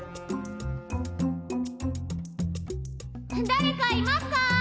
だれかいますか？